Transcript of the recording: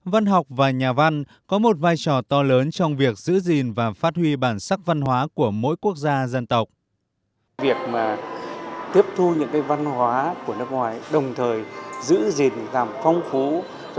văn học và nhà văn có một vai trò to lớn trong việc giữ gìn và phát huy bản sắc văn hóa của mỗi quốc gia dân tộc